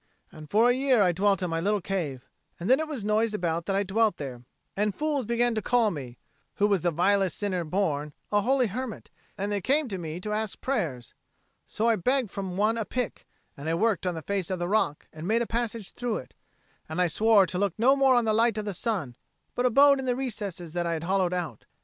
And for a year I dwelt in my little cave: then it was noised about that I dwelt there, and fools began to call me, who was the vilest sinner born, a holy hermit, and they came to me to ask prayers. So I begged from one a pick, and I worked on the face of the rock, and made a passage through it. And I swore to look no more on the light of the sun, but abode in the recesses that I had hollowed out.